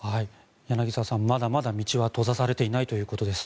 柳澤さん、まだまだ道は閉ざされていないということです。